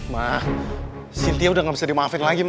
ma sitiah udah gak bisa dimaafin lagi